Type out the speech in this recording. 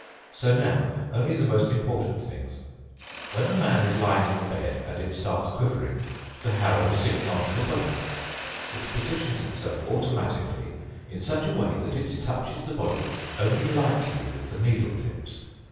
So now, only the most important things. When the man is lying on the bed and it starts quivering, the harrow sinks onto the body. It positions itself automatically in such a way that it touches the body only lightly with the needle tips.